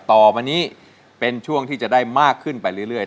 ต่อมานี้เป็นช่วงที่จะได้มากขึ้นไปเรื่อย